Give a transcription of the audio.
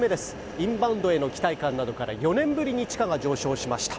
インバウンドへの期待感などから４年ぶりに地価が上昇しました。